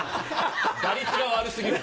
打率が悪過ぎる。